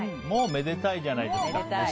めでたいじゃないですか。